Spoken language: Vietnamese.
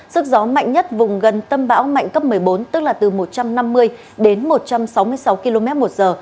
sức gió mạnh nhất vùng gần tâm bão mạnh cấp một mươi bốn tức là từ một trăm năm mươi đến một trăm sáu mươi sáu km một giờ